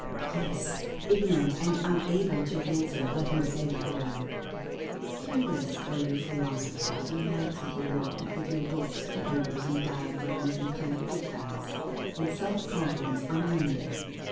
Yes! ignorant and unable to answer, let him say what he will. Hear this, oh you philosophers,–you lights of the world, with your books and papers and diagrams, and collected facts, and self confidence unlimited!